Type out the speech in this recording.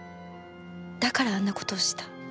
だからあんな事をした。